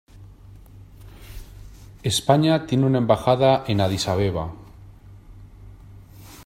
España tiene una embajada en Addis Abeba.